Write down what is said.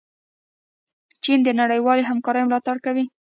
چین د نړیوالې همکارۍ ملاتړ کوي.